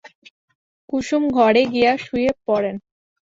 কুসুম ঘরে গিয়া শুইয়া পড়ে।